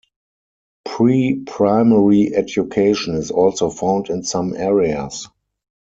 Pre-Primary Education is also found in some areas.